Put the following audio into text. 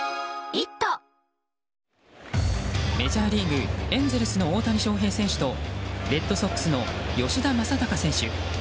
メジャーリーグ・エンゼルスの大谷翔平選手とレッドソックスの吉田正尚選手。